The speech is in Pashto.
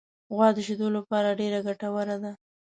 غوا د شیدو لپاره ډېره ګټوره ده.